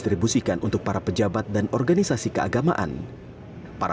kemudian kiswah dari mokhtabar